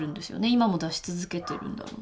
今も出し続けてるんだろうな。